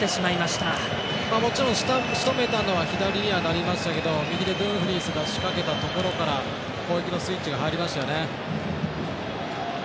しとめたのは左にはなりましたけど右でドゥンフリースが仕掛けたところから攻撃のスイッチが入りましたよね。